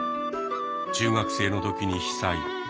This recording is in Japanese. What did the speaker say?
中学生の時に被災。